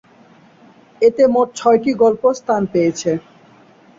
এতে মোট ছয়টি গল্প স্থান পেয়েছে।